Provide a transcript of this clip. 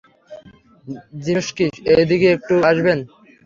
যিমস্কি, একটু এদিকে আসবেন?